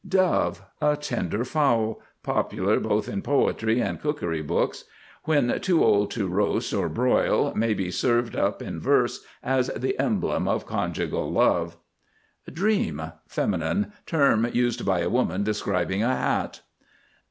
DOVE. A tender fowl, popular both in poetry and cookery books. When too old to roast or broil, may be served up in verse as the emblem of conjugal love. DREAM. Fem. Term used by a woman describing a hat.